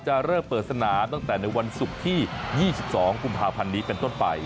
เริ่มเปิดสนามตั้งแต่ในวันศุกร์ที่๒๒กุมภาพันธ์นี้เป็นต้นไป